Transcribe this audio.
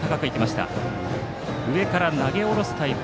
上から投げ下ろすタイプ。